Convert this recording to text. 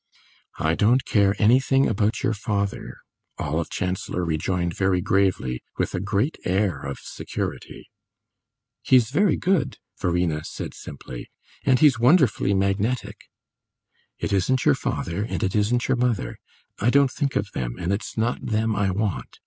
"I don't care anything about your father," Olive Chancellor rejoined very gravely, with a great air of security. "He is very good," Verena said simply. "And he's wonderfully magnetic." "It isn't your father, and it isn't your mother; I don't think of them, and it's not them I want.